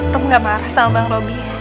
rum gak marah sama bang robby ya